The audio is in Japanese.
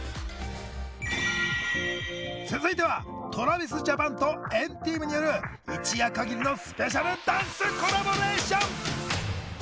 続いてはＴｒａｖｉｓＪａｐａｎと＆ＴＥＡＭによる一夜かぎりのスペシャルダンスコラボレーション！